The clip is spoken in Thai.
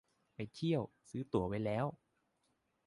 ไปเที่ยว ซื้อตั๋วไว้แล้ว